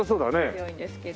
強いんですけど。